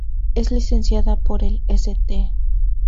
Es licenciada por el St.